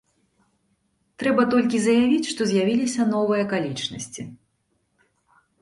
Трэба толькі заявіць, што з'явіліся новыя акалічнасці.